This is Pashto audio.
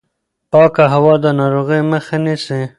پاکه هوا د ناروغیو مخه نیسي.